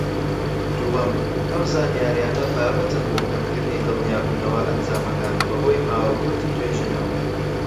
دووەم، ئەو زانیاریانە بابەتن بۆ کەمکردنی دڵنیابوونەوە ئەنجامەکان بەهۆی ماوە کورتی توێژینەوەکە.